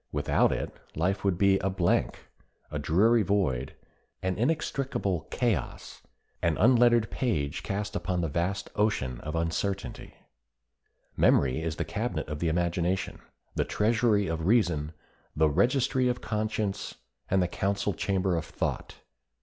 Without it life would be a blank, a dreary void, an inextricable chaos, an unlettered page cast upon the vast ocean of uncertainty. Memory is the cabinet of the imagination, the treasury of reason, the registry of conscience, and the council chamber of thought.